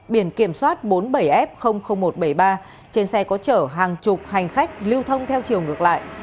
biển kiểm soát bốn mươi bảy f một trăm bảy mươi ba trên xe có chở hàng chục hành khách lưu thông theo chiều ngược lại